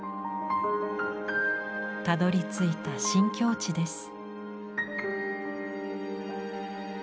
たどりついた新境地です。